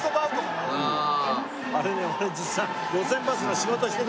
あれね俺実は。